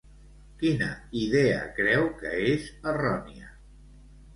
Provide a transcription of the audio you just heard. Quina idea creu que és errònia?